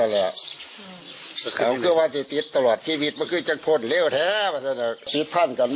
หมอโน้ตไปนอนมาค์มึงก็จะร่วงร้อยกันนั้น